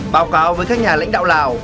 báo cáo với các nhà lãnh đạo lào